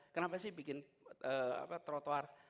kenapa sih bikin trotoar